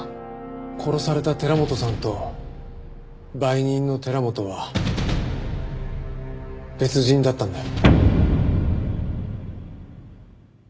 殺された寺本さんと売人の寺本は別人だったんだよ。